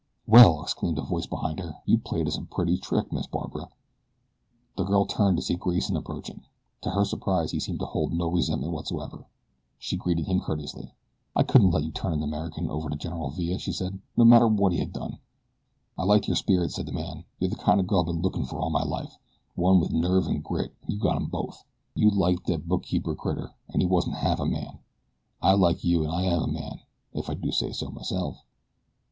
"Well!" exclaimed a voice behind her. "You played us a pretty trick, Miss Barbara." The girl turned to see Grayson approaching. To her surprise he seemed to hold no resentment whatsoever. She greeted him courteously. "I couldn't let you turn an American over to General Villa," she said, "no matter what he had done." "I liked your spirit," said the man. "You're the kind o' girl I ben lookin' fer all my life one with nerve an' grit, an' you got 'em both. You liked thet bookkeepin' critter, an' he wasn't half a man. I like you an' I am a man, ef I do say so myself."